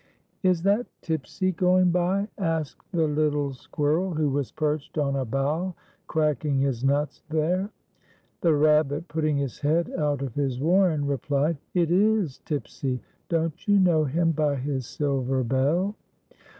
" Is that Tipsy going by ?" asked the little Squirrel, who was perched on a bough cracking his nuts there. The Rabbit, putting his head out of his warren, replied: " It is Tipsy ; don't you know him by his silver bell.>"